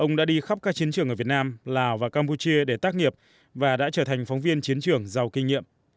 ông đã đi khắp các chiến trường ở việt nam lào và campuchia để tác nghiệp và đã trở thành phóng viên chiến trường giàu kinh nghiệm